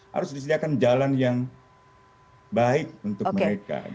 harus disediakan jalan yang baik untuk mereka